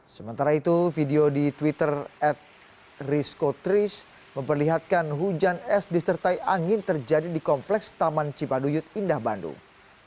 sementara itu video di twitter at rizko tris memperlihatkan hujan es disertai angin terjadi di kompleks taman cipaduyut indah bandung